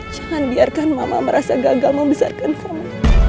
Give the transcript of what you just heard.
jangan biarkan mama merasa gagal membesarkan kamu